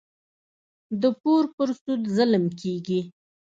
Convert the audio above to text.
د پور پر سود ظلم کېږي.